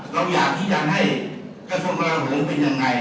เราอยากที่จะให้กระทบาลเผลอเป็นยังไง